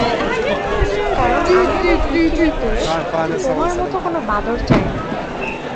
কারণ আমি আমার পৃথিবীতে তোমার মতো কোনো বাঁদর চাই না।